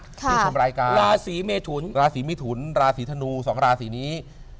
ราศรีมีทุนราศรีมีทุนราศรีธนู๒ราศรีนี้